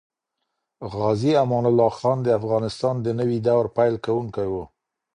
غازي امان الله خان د افغانستان د نوي دور پیل کوونکی وو.